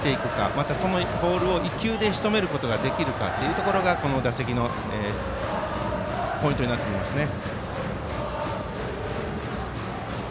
またそのボールを１球でしとめることができるかというのがこの打席のポイントになってきますね。